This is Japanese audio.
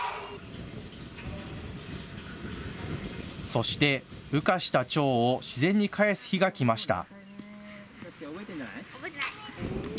そして、羽化したチョウを自然に返す日が来ました。